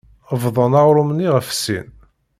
Bḍan aɣrum-nni ɣef sin.